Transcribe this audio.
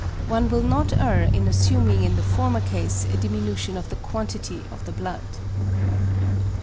One will not err in assuming in the former case a diminution of the quantity of the blood.